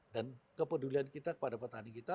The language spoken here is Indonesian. dan kepedulian kita kepada petani kita